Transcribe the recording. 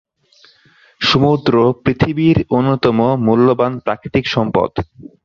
সমুদ্র পৃথিবীর অন্যতম মূল্যবান প্রাকৃতিক সম্পদ।